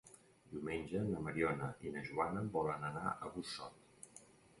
Diumenge na Mariona i na Joana volen anar a Busot.